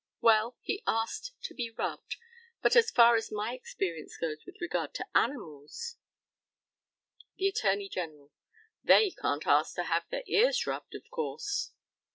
Well, he asked to be rubbed; but, as far as my experience goes with regard to animals The ATTORNEY GENERAL: They can't ask to have their ears rubbed, of course.